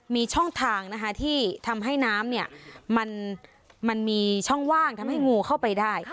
มีช่องทางที่ทำให้น้ำมันมีช่องว่างทำให้งูเข้าไปได้